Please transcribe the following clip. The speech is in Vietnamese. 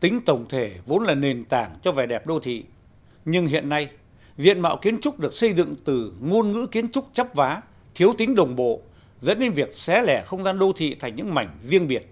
tính tổng thể vốn là nền tảng cho vẻ đẹp đô thị nhưng hiện nay diện mạo kiến trúc được xây dựng từ ngôn ngữ kiến trúc chấp vá thiếu tính đồng bộ dẫn đến việc xé lẻ không gian đô thị thành những mảnh riêng biệt